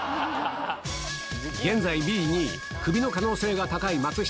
現在ビリ２位、クビの可能性が高い松下。